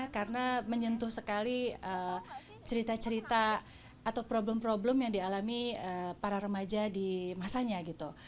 karena menyentuh sekali cerita cerita atau problem problem yang dialami para remaja di masanya gitu